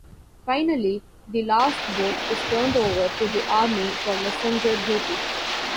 Finally, the last boat is turned over to the Army for messenger duty.